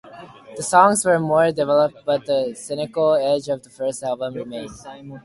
The songs were more developed but the cynical edge of the first album remained.